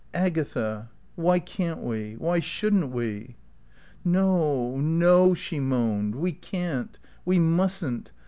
"Agatha, why can't we? Why shouldn't we?" "No, no," she moaned. "We can't. We mustn't.